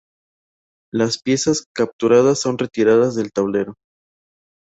Las piezas capturadas son retiradas del tablero.